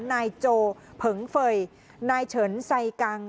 นายโจเผิงเฟย์นายเฉินไซกัง